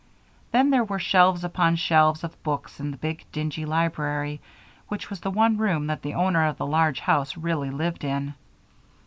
Then, there were shelves upon shelves of books in the big, dingy library, which was the one room that the owner of the large house really lived in.